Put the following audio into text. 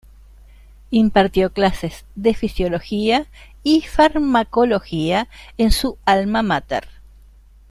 Impartió clases de fisiología y farmacología en su alma máter.